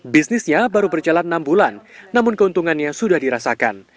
bisnisnya baru berjalan enam bulan namun keuntungannya sudah dirasakan